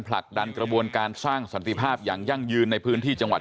ผลักดันกระบวนการสร้างสันติภาพอย่างยั่งยืนในพื้นที่จังหวัด